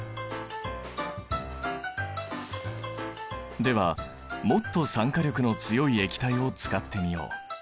ではもっと酸化力の強い液体を使ってみよう。